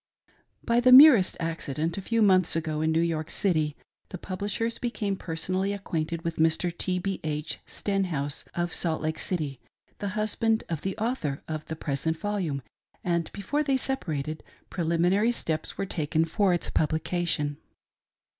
By the merest^accident, a few months ago, in New York City, the Publishers became personally acquainted with Mr. T. B. H. Stenhouse, of Salt Lake City, the husband of the Author of the present volume, and before they separated, preliminary steps were taken for its publication.